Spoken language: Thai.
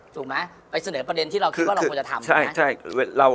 ถูกมั้ยไปเสนอประเด็นที่เราคิดว่าเราควรจะทำ